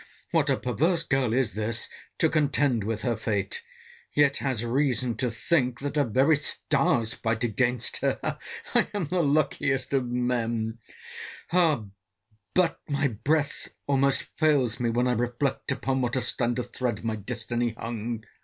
What a perverse girl is this, to contend with her fate; yet has reason to think, that her very stars fight against her! I am the luckiest of me!—But my breath almost fails me, when I reflect upon what a slender thread my destiny hung.